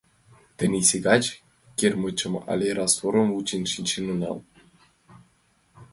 Тенийсе гай кермычым але растворым вучен шинчен онал.